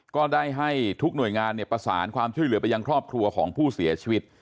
ก็ได้ให้ทุกหน่วยงานประสานความช่วยเหลือไปยังครอบครัวของผู้เสียชีวิต